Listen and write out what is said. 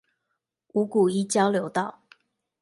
五股一交流道